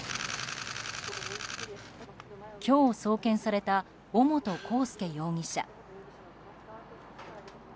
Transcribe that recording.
今日送検された尾本幸祐容疑者。